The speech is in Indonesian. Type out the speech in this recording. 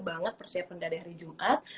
banget persiapan dari hari jumat